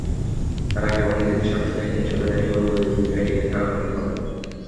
তারা কেবল নিজেদের স্বার্থ দেখলে ছোট দেশগুলোর প্রতিযোগিতায় টিকে থাকা কঠিন হবে।